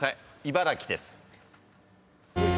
茨城です。